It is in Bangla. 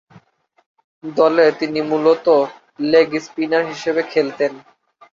দলে তিনি মূলতঃ লেগ স্পিনার হিসেবে খেলতেন।